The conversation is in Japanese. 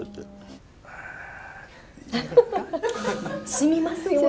しみますね。